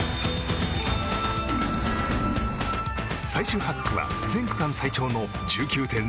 最終８区は全区間最長の１９．７ｋｍ。